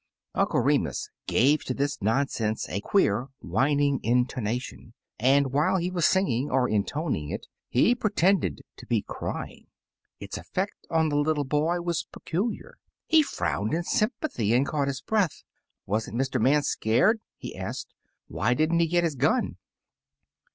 '" Uncle Remus gave to this nonsense a queer, whining intonation, and while he was singing, or intoning it, he pretended to be crjdng. Its effect on the little boy was pe culiar. He frowned in sympathy, and caught 72 Taily Po his breath. Was n't Mr. Man scared?'* he asked. "Why did n't he get his gun?"